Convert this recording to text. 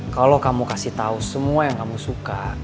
kalo kamu kasih tau semua yang kamu suka